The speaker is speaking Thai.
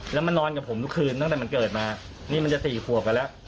และมันนอนกับผมทุกคืนตั้งแต่มันเกิดมานี้มันจะ๔ขวบไปละ